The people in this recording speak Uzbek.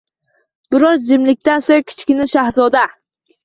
Biroz jimlikdan so‘ng Kichkina shahzoda: